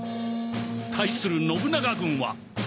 対する信長軍は